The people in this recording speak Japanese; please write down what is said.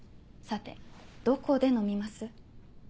さてどこで飲みます？